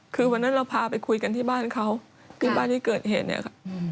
คือวันนั้นเราพาไปคุยกันที่บ้านเขาที่บ้านที่เกิดเหตุเนี่ยค่ะ